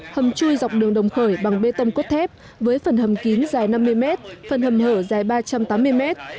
hầm chui dọc đường đồng khởi bằng bê tông cốt thép với phần hầm kín dài năm mươi mét phần hầm hở dài ba trăm tám mươi mét